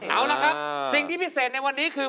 เอาละครับสิ่งที่พิเศษในวันนี้คือ